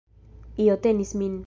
Io tenis min.